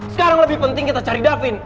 sekarang lebih penting kita cari davin